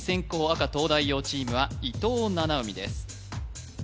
赤東大王チームは伊藤七海です